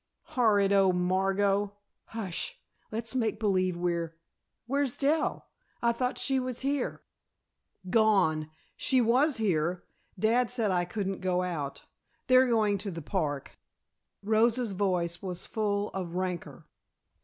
"Horrid old Margot " "Hush! Let's make believe we're where's Dell? I thought she was here." "Gone. She was here. Dad said I couldn't go out. They're going to the park " Rosa's voice was full of rancor.